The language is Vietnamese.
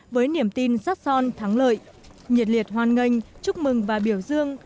với niềm tin sát son thắng lợi nhiệt liệt hoan nghênh chúc mừng và biểu dương